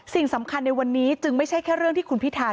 สิ่งสำคัญในวันนี้จึงไม่ใช่แค่เรื่องที่คุณพิธา